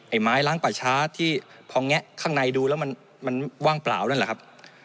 ไม้ล้างป่าช้าที่พอแงะข้างในดูแล้วมันว่างเปล่านั่นแหละครับ